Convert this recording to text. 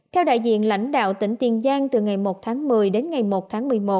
theo đại diện lãnh đạo tỉnh tiền giang từ ngày một tháng một mươi đến ngày một tháng một mươi một